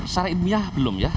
secara ilmiah belum ya